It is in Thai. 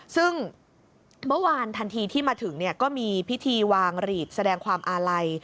ซึ่งเมื่อวานทันทีที่มาถึงก็มีพิธีวางหลีดแสดงความอาลัย